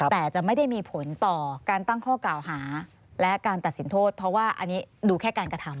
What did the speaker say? แต่จะไม่ได้มีผลต่อการตั้งข้อกล่าวหาและการตัดสินโทษเพราะว่าอันนี้ดูแค่การกระทำ